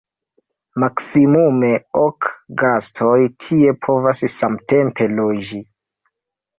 Maksimume ok gastoj tie povas samtempe loĝi.